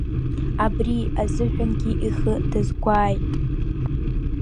Абри азыҳәангьы ихы дазгәааит…